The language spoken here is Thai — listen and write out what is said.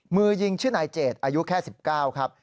มือยิงชื่อนายเจดอายุแค่๑๙ครับ